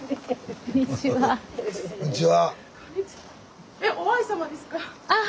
こんにちはえっ！